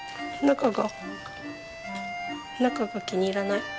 中が気に入らない？